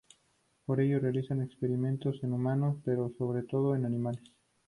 Por ello, realizan experimentos en humanos; pero, sobre todo, en animales.